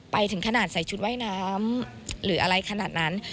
ไปถึงขนาดใส่ชุดว่ายน้ำหรืออะไรขนาดนั้น